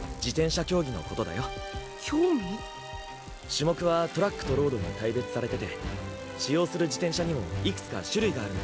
種目はトラックとロードに大別されてて使用する自転車にもいくつか種類があるんだ。